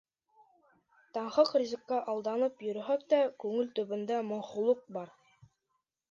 Танһыҡ ризыҡҡа алданып йөрөһәк тә, күңел төбөндә моңһоулыҡ бар.